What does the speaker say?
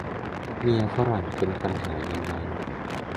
เมียฝรั่งเป็นปัญหายังไง